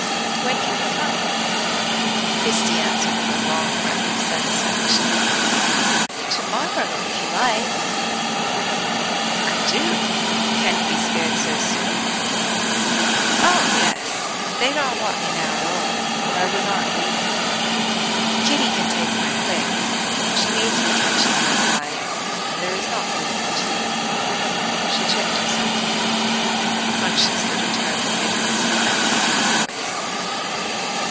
When can you come?" Christie answered with a long breath of satisfaction: "To morrow, if you like." "I do: can you be spared so soon?" "Oh, yes! they don't want me now at all, or I would not leave them. Kitty can take my place: she needs protection more than I; and there is not room for two." She checked herself there, conscious that a tone of bitterness had crept into her voice.